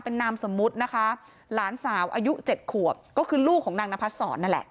นามสมมุตินะคะหลานสาวอายุเจ็ดขวบก็คือลูกของนางนพัดศรนั่นแหละ